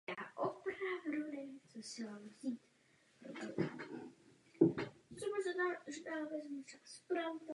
Vystudovala Sportovní gymnázium v Jilemnici.